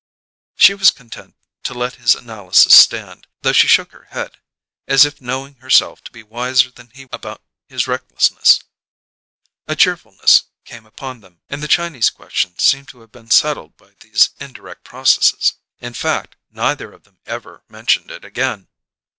She was content to let his analysis stand, though she shook her head, as if knowing herself to be wiser than he about his recklessness. A cheerfulness came upon them; and the Chinese question seemed to have been settled by these indirect processes; in fact, neither of them ever mentioned it again.